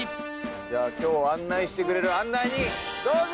じゃあ今日案内してくれる案内人どうぞ！